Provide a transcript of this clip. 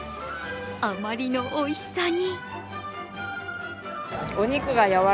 あまりのおいしさに。